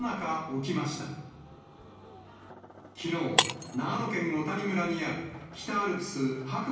きのう、長野県小谷村にある北アルプス白馬